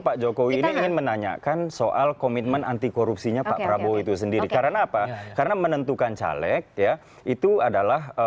para koruptor itu memang ada